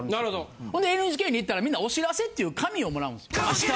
ほんでＮＧＫに行ったらみんなお知らせっていう紙を貰うんです。